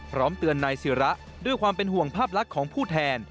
พร้อมเตือนนายศิระด้วยความเป็นห่วงภาพลักษณ์ของผู้แทน